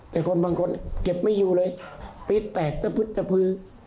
แต่คนบางคนเก็บไม่อยู่เลยปี๊ดแตกสะพึดสะพือ